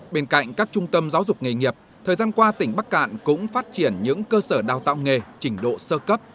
bên cạnh các trung tâm giáo dục nghề nghiệp thời gian qua tỉnh bắc cạn cũng phát triển những cơ sở đào tạo nghề trình độ sơ cấp